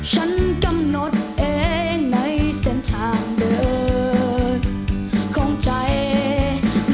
เจอวันที่สวยงาม